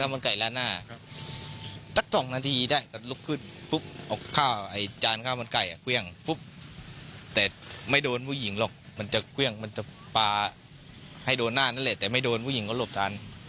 พี่จะเก็บให้ผมด้วยนะ